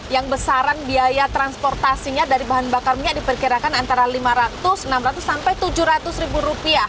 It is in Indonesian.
yang besaran biaya transportasinya dari bahan bakar minyak diperkirakan antara rp lima ratus tujuh ratus